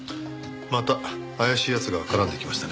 また怪しい奴が絡んできましたね。